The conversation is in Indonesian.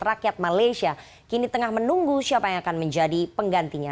rakyat malaysia kini tengah menunggu siapa yang akan menjadi penggantinya